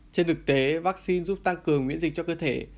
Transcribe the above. trên thực tế vaccine giúp tăng cường miễn dịch cho cơ thể